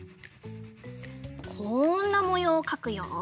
こんなもようをかくよ。